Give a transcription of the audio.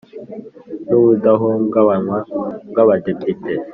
n ubudahungabanywa bw Abadepite